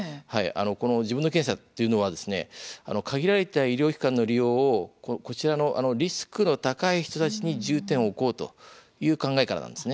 この自分の検査というのは限られた医療機関の利用をこちらのリスクの高い人たちに重点を置こうという考えからなんですね。